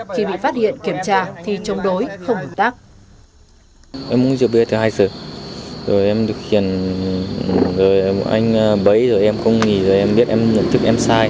khi bị phát hiện kiểm tra thì chống đối không hợp tác